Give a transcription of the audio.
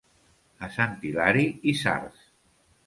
A Sant Hilari, isards.